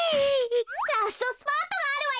ラストスパートがあるわよ！